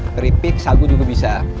keripik sagu juga bisa